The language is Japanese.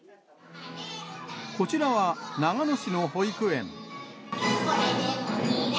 こちらは、長野市の保育園。